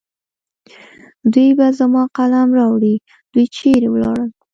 دوی به زما قلم راوړي. دوی چېرې ولاړل؟